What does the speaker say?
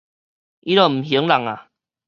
伊就毋還人矣